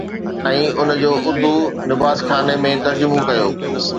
۽ ان جو اردو نباتخاني ۾ ترجمو ڪيو